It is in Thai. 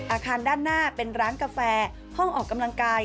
อาคารด้านหน้าเป็นร้านกาแฟห้องออกกำลังกาย